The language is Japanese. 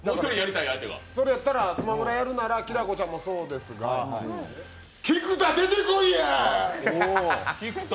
それやったら、「スマブラ」やるならきなこちゃんもそですが、菊田出てこいや！